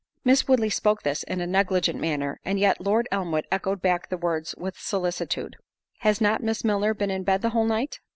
Miss Woodley spoke this in a negligent manner, and yet, Lord Elmwood echoed back the words with solicitude, "Has not Miss Milner been in bed the whole night?"